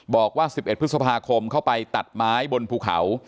บอกว่า๑๑พฤษภาคมเข้าไปตัดไม้บนภูเขา